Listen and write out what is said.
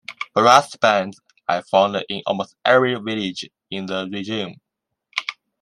Brass bands are found in almost every village in the region.